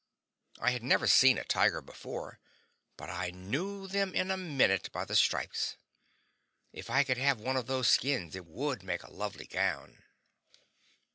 I had never seen a tiger before, but I knew them in a minute by the stripes. If I could have one of those skins, it would make a lovely gown.